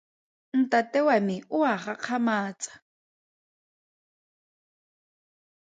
Ntate wa me o a gakgamatsa.